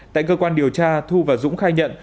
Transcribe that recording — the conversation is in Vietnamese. tại cơ quan điều tra thu và dũng khai nhận